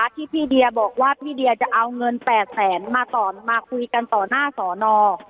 ที่พี่เดียบอกว่าพี่เดียจะเอาเงิน๘แสนมาต่อมาคุยกันต่อหน้าสอนอ